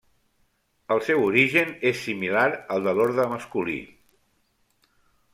El seu origen és similar al de l'orde masculí.